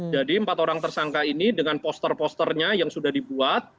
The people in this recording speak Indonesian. jadi empat orang tersangka ini dengan poster posternya yang sudah dibuat